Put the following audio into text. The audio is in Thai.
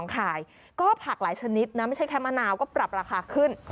ขายก็ผักหลายชนิดนะไม่ใช่แค่มะนาวก็ปรับราคาขึ้น